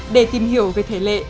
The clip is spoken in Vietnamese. để tìm hiểu về thể lệ